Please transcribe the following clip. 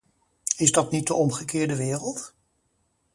Is dat niet de omgekeerde wereld?